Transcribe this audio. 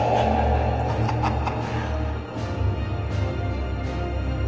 ハハハハ。